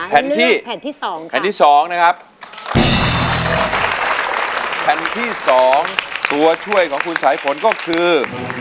แผ่นที่๒ค่ะแผ่นที่๒นะครับแผ่นที่๒ตัวช่วยของคุณสายฝนก็คือ